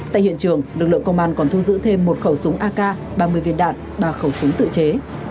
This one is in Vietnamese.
tại hiện trường lực lượng công an còn thu giữ thêm một khẩu súng ak ba mươi viên đạn ba khẩu súng tự chế